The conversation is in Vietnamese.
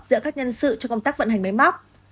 giữa các nhân sự cho công tác vận hành máy móc